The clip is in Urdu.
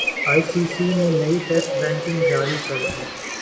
ئی سی سی نے نئی ٹیسٹ رینکنگ جاری کردی